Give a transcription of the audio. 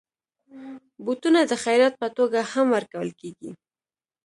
بوټونه د خيرات په توګه هم ورکول کېږي.